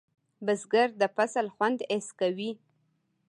بزګر د فصل خوند حس کوي